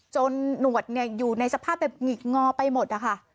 จนหนวดเนี่ยอยู่ในสภาพไปหงิกงอไปหมดนะคะ